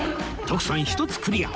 徳さん１つクリア